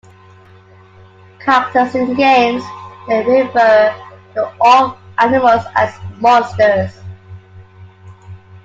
Characters in games may refer to all animals as "monsters".